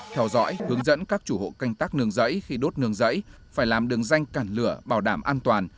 theo dõi hướng dẫn các chủ hộ canh tác nương rẫy khi đốt nương rẫy phải làm đường danh cản lửa bảo đảm an toàn